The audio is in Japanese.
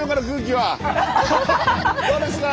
どうですか？